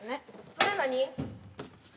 それ何？